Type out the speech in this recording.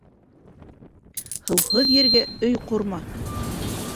Һыуһыҙ ергә өй ҡорма